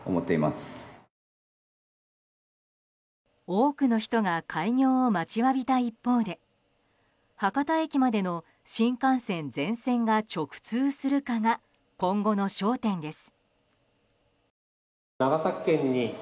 多くの人が開業を待ちわびた一方で博多駅までの新幹線全線が直通するかが今後の焦点です。